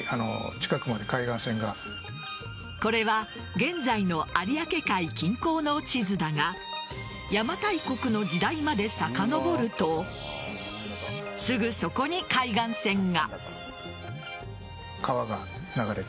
これは現在の有明海近郊の地図だが邪馬台国の時代までさかのぼるとすぐそこに海岸線が。